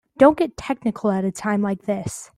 Don't get technical at a time like this.